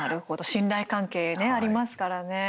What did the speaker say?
信頼関係ね、ありますからね。